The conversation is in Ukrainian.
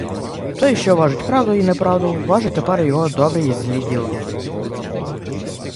Той, що важить правду й неправду, важить тепер його добрі і злі діла.